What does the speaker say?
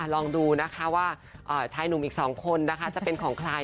ลองดูว่าชายหนุ่มอีก๒คนจะเป็นของใคร